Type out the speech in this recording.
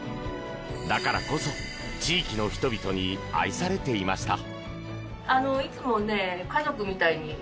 だからこそ地域の人々に愛されていました。